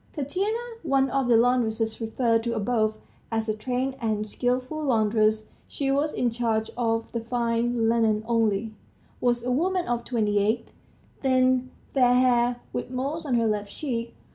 Tatiana, one of the laundresses referred to above (as a trained and skilful laundress she was in charge of the fine linen only), was a woman of twenty eight, thin, fair haired, with moles on her left cheek.